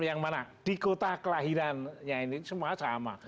yang mana di kota kelahirannya ini semua sama